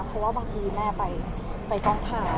เพราะว่าบางทีแม่ไปการหันต้าน